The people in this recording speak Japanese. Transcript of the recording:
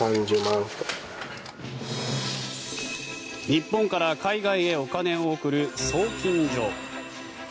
日本から海外へお金を送る送金所。